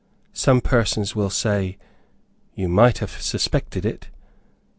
Some persons will say, you might have suspected it.